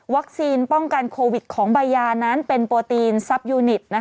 ป้องกันโควิดของใบยานั้นเป็นโปรตีนซับยูนิต